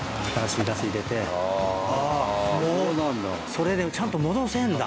それでちゃんと戻せるんだ。